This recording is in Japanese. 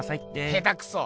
下手くそ！